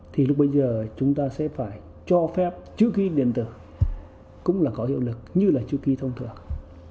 thì lúc bây giờ chúng ta sẽ phải cho phép chữ ký điện tử cũng là có hiệu lực như là chữ ký thông thường